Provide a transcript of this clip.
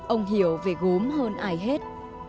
ông hiểu về gốm hơn ai hết